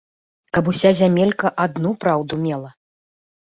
Каб уся зямелька адну праўду мела!